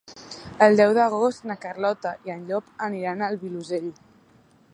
El deu d'agost na Carlota i en Llop aniran al Vilosell.